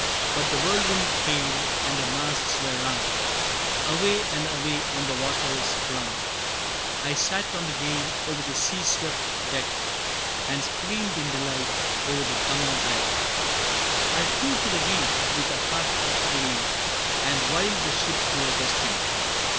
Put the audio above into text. But the whirlwind came, and her masts were wrung, Away, and away on the waters flung. I sat on the gale o'er the sea swept deck, And screamed in delight o'er the coming wreck: I flew to the reef with a heart of glee, And wiled the ship to her destiny.